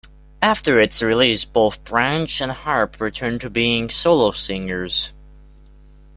After its release, both Branch and Harp returned to being solo singers.